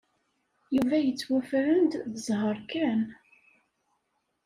Yuba yettwafren-d d zzheṛ kan.